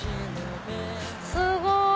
すごい！